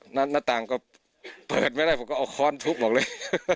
หน้าต่างก็เปิดไม่ได้ผมก็เอาค้อนทุบออกเลย